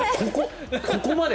ここまで。